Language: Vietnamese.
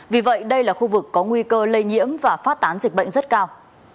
vì vậy đây là khu vực có nguy cơ lây nhiễm và phát tán dịch bệnh rất cao